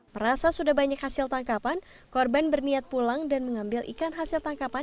merasa sudah banyak hasil tangkapan korban berniat pulang dan mengambil ikan hasil tangkapan